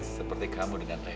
seperti kamu dengan reva